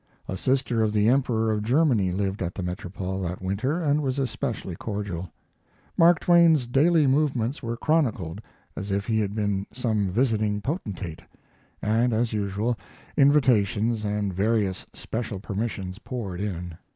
A sister of the Emperor of Germany lived at the Metropole that winter and was especially cordial. Mark Twain's daily movements were chronicled as if he had been some visiting potentate, and, as usual, invitations and various special permissions poured in.